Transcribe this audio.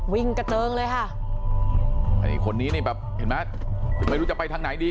วิ่งกระเจิงเลยค่ะอันนี้คนนี้นี่แบบเห็นไหมไม่รู้จะไปทางไหนดี